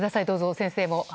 どうぞ先生も。